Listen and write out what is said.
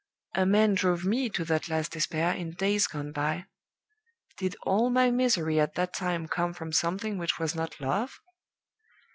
A man drove me to that last despair in days gone by. Did all my misery at that time come from something which was not Love?